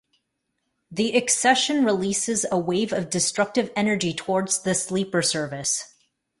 The Excession releases a wave of destructive energy towards the "Sleeper Service".